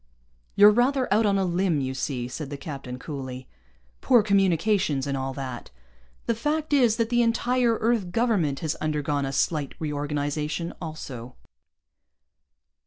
"You're rather out on a limb, you see," said the captain coolly. "Poor communications and all that. The fact is that the entire Earth Government has undergone a slight reorganization also."